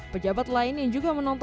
pejabat lain yang juga menonton foto